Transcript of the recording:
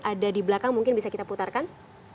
ada di belakang mungkin bisa kita putarkan